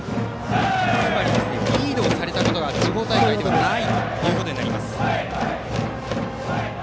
つまりリードされたことが地方大会ではないということです。